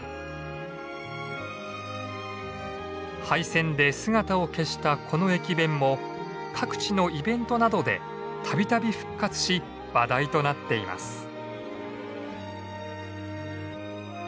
廃線で姿を消したこの駅弁も各地のイベントなどでたびたび復活し話題となっています。